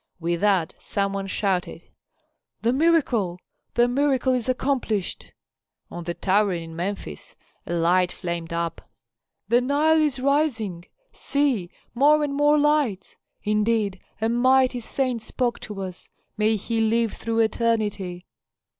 With that some one shouted, "The miracle, the miracle is accomplished." On the tower in Memphis a light flamed up. "The Nile is rising! See, more and more lights! Indeed a mighty saint spoke to us. May he live through eternity!"